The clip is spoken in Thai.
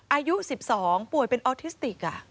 อายุ๑๒ป่วยเป็นออทิสติก